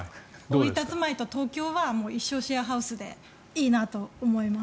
大分住まいと東京は一生シェアハウスでいいなと思います。